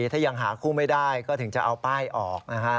ถ้ายังหาคู่ไม่ได้ก็ถึงจะเอาป้ายออกนะฮะ